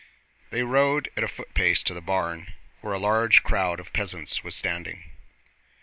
They rode at a footpace to the barn, where a large crowd of peasants was standing.